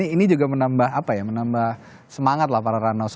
ini juga menambah apa ya menambah semangat lah para ranos